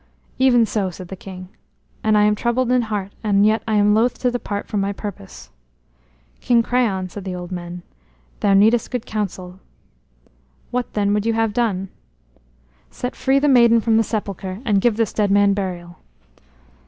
"Even so," said the king, "and I am troubled in heart and yet am loath to depart from my purpose." "King Creon," said the old men, "thou needest good counsel." "What, then, would ye have done?" "Set free the maiden from the sepulchre and give this dead man burial."